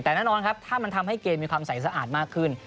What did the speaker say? แต่แน่นอนครับถ้ามันทำให้เกมมีความใสสะอาดมากขึ้น